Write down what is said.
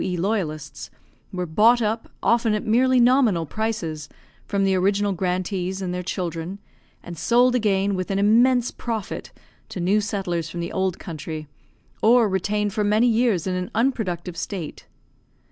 E. loyalists, were bought up, often at merely nominal prices, from the original grantees and their children, and sold again with an immense profit to new settlers from the old country, or retained for many years in an unproductive state.